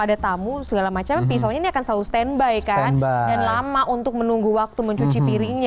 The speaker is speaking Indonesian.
ada tamu segala macam pisaunya ini akan selalu standby kan dan lama untuk menunggu waktu mencuci piringnya